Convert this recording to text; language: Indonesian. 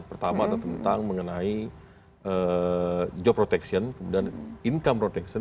pertama ada tentang mengenai job protection kemudian income protection